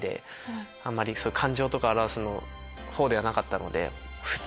感情とか表す方ではなかったので。